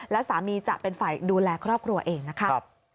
และสามีจะเป็นฝ่ายดูแลครอบครัวเองนะคะ